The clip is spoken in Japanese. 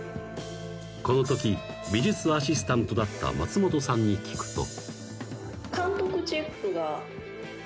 ［このとき美術アシスタントだった松本さんに聞くと］